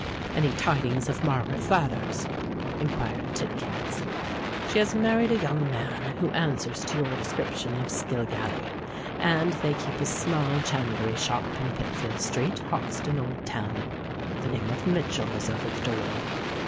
"Any tidings of Margaret Flathers?" inquired Tidkins. "She has married a young man who answers to your description of Skilligalee; and they keep a small chandlery shop in Pitfield Street, Hoxton Old Town. The name of Mitchell is over the door."